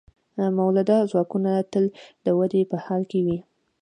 مؤلده ځواکونه تل د ودې په حال کې وي.